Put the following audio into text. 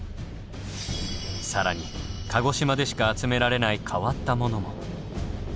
更に鹿児島でしか集められない変わったものも。